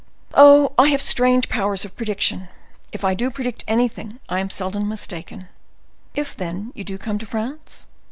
"Oh, I have strange powers of prediction; if I do predict anything I am seldom mistaken. If, then, you do come to France?"